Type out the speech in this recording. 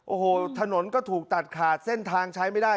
โอ้โหถนนก็ถูกตัดขาดเส้นทางใช้ไม่ได้